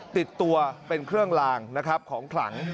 ติดตัวเป็นเครื่องลางนะครับของขลัง